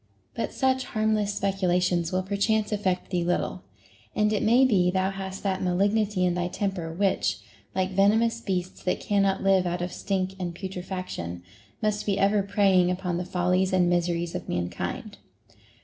But such harmless speculations will perchance affect thee little, and it may be thou hast that malignity in thy temper which, like venomous beasts that cannot live out of stink and putrefaction, must be ever preying upon the follies and miseries of mankind.